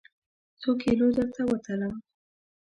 څوکیلو درته وتلم؟